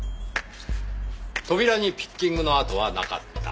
扉にピッキングの跡はなかった。